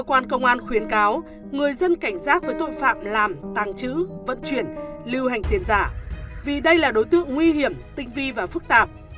cơ quan công an khuyến cáo người dân cảnh giác với tội phạm làm tăng trữ vận chuyển lưu hành tiền giả vì đây là đối tượng nguy hiểm tinh vi và phức tạp